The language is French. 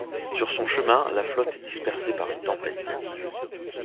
Sur son chemin, la flotte est dispersée par une tempête.